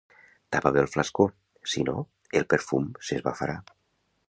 Tapa bé el flascó; si no, el perfum s'esbafarà.